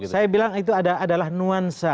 saya bilang itu adalah nuansa